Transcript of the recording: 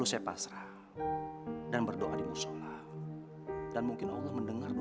sudah seperti anak ibu sendiri